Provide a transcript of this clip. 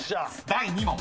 ［第２問］